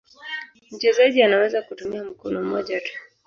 Mchezaji anaweza kutumia mkono mmoja tu.